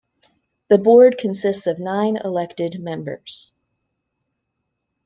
The board consists of nine elected members.